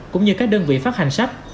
cũng như các đơn vị phát hành sách